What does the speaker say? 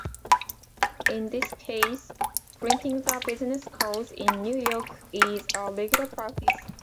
In this case, printing the business cards in New York is a regular practice.